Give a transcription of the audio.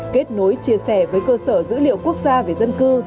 kết nối chia sẻ với cơ sở dữ liệu quốc gia về dân cư